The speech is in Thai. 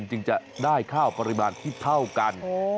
จึงจะได้ข้าวปริมาณที่เท่ากัน